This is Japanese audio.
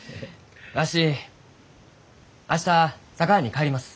わし明日佐川に帰ります。